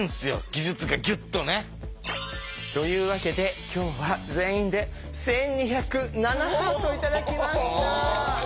技術がギュッとね。というわけで今日は全員で１２０７ハート頂きました。